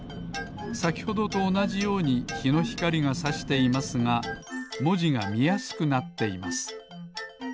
さきほどとおなじようにひのひかりがさしていますがもじがみやすくなっています